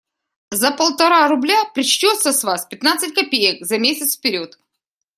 За полтора рубля причтется с вас пятнадцать копеек, за месяц вперед.